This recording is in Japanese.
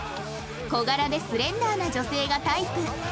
小柄でスレンダーな女性がタイプ